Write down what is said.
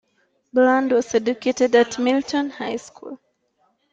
Bland was educated at Milton High School.